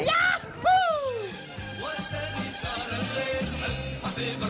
ย้าฮู้